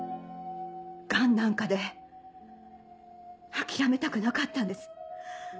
ガンなんかで諦めたくなかったんです。